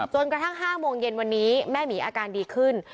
กระทั่ง๕โมงเย็นวันนี้แม่หมีอาการดีขึ้น